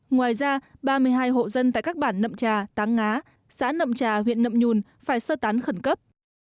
ngoài ra ba mươi hai hộ dân tại các bản nậm trà táng ngá xã nậm trà huyện nậm nhùn phải sơ tán khẩn cấp